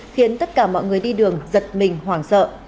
khiến tất cả mọi người đi đường giật mình hoảng sợ